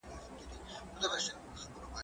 زه پرون مځکي ته وکتل!؟